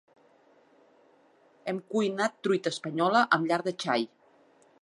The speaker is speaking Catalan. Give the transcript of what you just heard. Hem cuinat truita espanyola amb llard de xai.